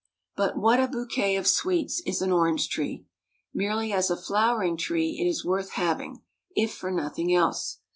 But what a bouquet of sweets is an orange tree! Merely as a flowering tree it is worth having, if for nothing else.